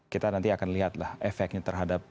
kita nanti akan lihatlah efeknya terhadap